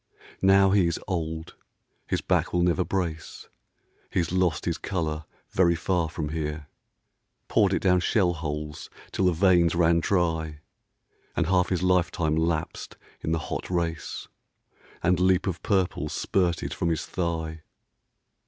Now he is old; his back will never brace; He's lost his colour very far from here, Poured it down shell holes till the veins ran dry, And half his life time lapsed in the hot race, And leap of purple spurted from his thigh.